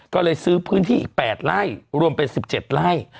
ก็เลยซื้อพื้นที่อีก๘ไร่รวมเป็น๑๗ไร่